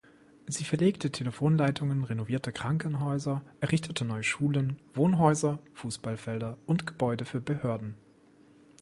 Sie verlegte Telefonleitungen, renovierte Krankenhäuser, errichtete neue Schulen, Wohnhäuser, Fußballfelder und Gebäude für Behörden.